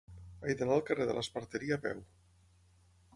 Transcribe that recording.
He d'anar al carrer de l'Esparteria a peu.